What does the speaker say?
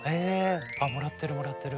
もらってるもらってる。